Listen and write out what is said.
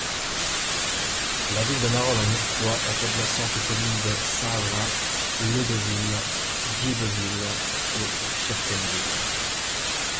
La ville de Marolles-en-Hurepoix est adjacente aux communes de Saint-Vrain, Leudeville, Guibeville et Cheptainville.